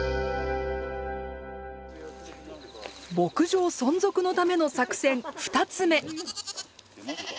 牧場存続のための作戦２つ目。